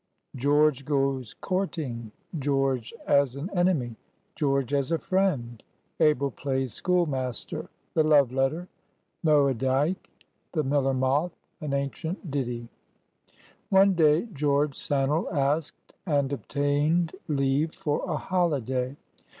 GEORGE GOES COURTING.—GEORGE AS AN ENEMY.—GEORGE AS A FRIEND.—ABEL PLAYS SCHOOL MASTER.—THE LOVE LETTER.—MOERDYK.—THE MILLER MOTH.—AN ANCIENT DITTY. ONE day George Sannel asked and obtained leave for a holiday.